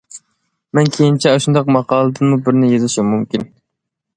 مەن كېيىنچە ئاشۇنداق ماقالىدىنمۇ بىرنى يېزىشىم مۇمكىن.